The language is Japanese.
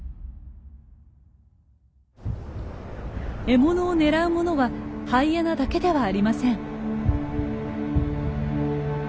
獲物を狙うものはハイエナだけではありません。